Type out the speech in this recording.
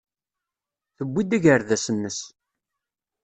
Tewwi-d agerdas-nnes.